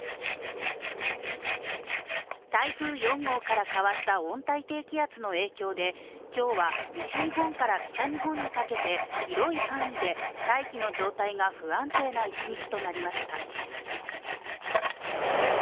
台風４号から変わった温帯低気圧の影響で今日は、西日本から北日本にかけて広い範囲で大気の状態が不安定な一日となりました。